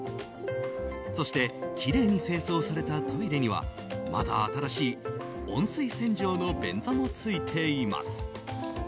そして、きれいに清掃されたトイレにはまだ新しい温水洗浄の便座もついています。